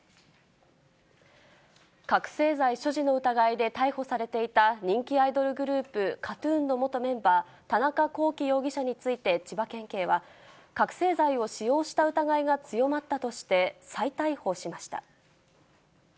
覚醒剤所持の疑いで逮捕されていた、人気アイドルグループ、ＫＡＴーＴＵＮの元メンバー、田中聖容疑者について、千葉県警は、覚醒剤を使用した疑いが強まったとして再逮捕しました。